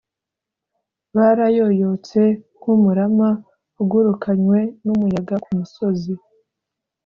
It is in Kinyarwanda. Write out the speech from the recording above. barayoyotse nk’umurama ugurukanywe n’umuyaga ku musozi,